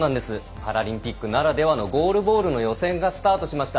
パラリンピックならではのゴールボールの予選がスタートしました。